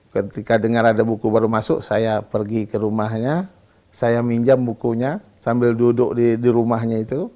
ketika dengar ada buku baru masuk saya pergi ke rumahnya saya minjam bukunya sambil duduk di rumahnya itu